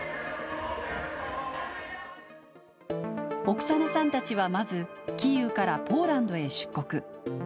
オクサナさんたちはまずキーウからポーランドへ出国。